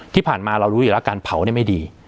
ที่ผ่านมาเรารู้อยู่แล้วการเผาไม่ดี